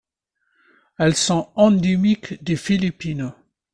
Elles sont endémiques des Philippines.